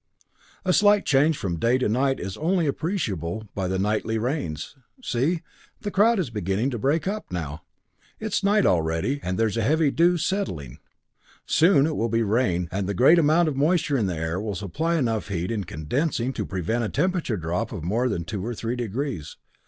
The slight change from day to night is only appreciable by the nightly rains see the crowd is beginning to break up now. It's night already, and there is a heavy dew settling. Soon it will be rain, and the great amount of moisture in the air will supply enough heat, in condensing, to prevent a temperature drop of more than two or three degrees.